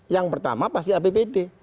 yang pertama pasti apbd